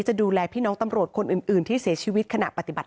จะดูแลพี่น้องตำรวจคนอื่นที่เสียชีวิตขณะปฏิบัติ